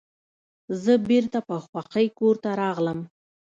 زه بیرته په خوښۍ کور ته راغلم.